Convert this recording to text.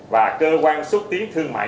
và cơ quan xuất tiến thương mại